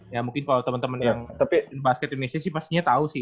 ya mungkin kalau teman teman yang tapi basket indonesia sih pastinya tahu sih